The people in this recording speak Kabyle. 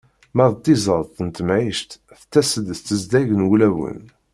Ma d tiẓeḍt n temɛict tettas-d s tezdeg n wulawen.